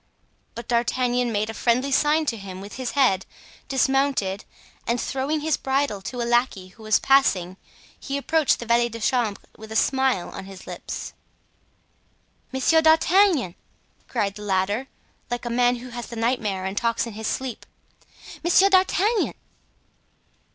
But D'Artagnan made a friendly sign to him with his head, dismounted, and throwing his bridle to a lackey who was passing, he approached the valet de chambre with a smile on his lips. "Monsieur d'Artagnan!" cried the latter, like a man who has the nightmare and talks in his sleep, "Monsieur d'Artagnan!"